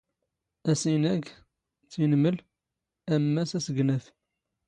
ⴰⵙⵉⵏⴰⴳ, ⵜⵉⵏⵎⵍ, ⴰⵎⵎⴰⵙ ⴰⵙⴳⵏⴰⴼ